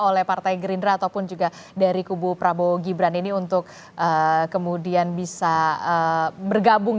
oleh partai gerindra ataupun juga dari kubu prabowo gibran ini untuk kemudian bisa bergabung